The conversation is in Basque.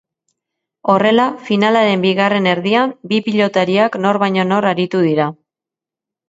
Horrela, finalaren bigarren erdian bi pilotariak nor baino nor aritu dira.